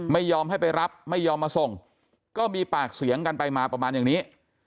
ไม่ยอมให้ไปรับไม่ยอมมาส่งก็มีปากเสียงกันไปมาประมาณอย่างนี้